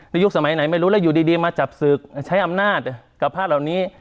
ยุคสมัยไหนไม่รู้แล้วอยู่ดีมาจับศึกใช้อำนาจกับพระเหล่านี้